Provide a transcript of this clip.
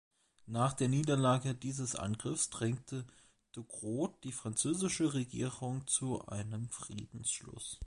Nach der Niederlage dieses Angriffs drängte Ducrot die französische Regierung zu einem Friedensschluss.